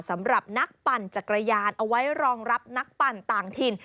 สำหรับนักปั่นจักรยานเอาไว้รองรับนักปั่นต่างถิ่น